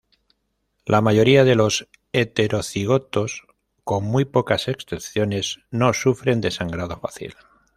La mayoría de los heterocigotos, con muy pocas excepciones, no sufren de sangrado fácil.